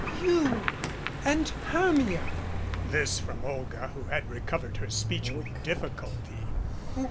"You and Hermia!" This from Olga, who had recovered speech with difficulty.